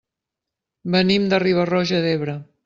Venim de Riba-roja d'Ebre.